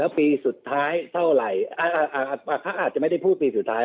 แล้วปีสุดท้ายเท่าไหร่เขาอาจจะไม่ได้พูดปีสุดท้าย